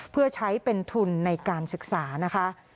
เพื่อใช้เป็นทุนในการศึกษานะคะ